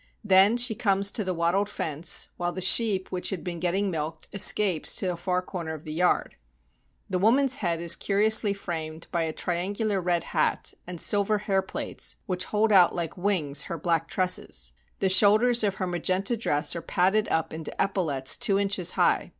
Then she comes to the wattled fence, while the sheep which had been getting milked escapes to a far corner of the yard. The woman's head is curiously framed by a triangu lar red hat, and silver hair plates, which hold out like wings her black tresses. The shoulders of her magenta dress are padded up into epaulets two inches high.